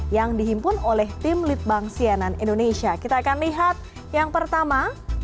yang dihimpun oleh tim litbang sianan indonesia kita akan lihat yang pertama